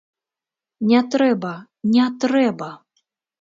Не трэба, не трэба!